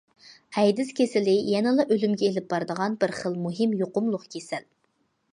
ئەيدىز كېسىلى يەنىلا ئۆلۈمگە ئېلىپ بارىدىغان بىر خىل مۇھىم يۇقۇملۇق كېسەل.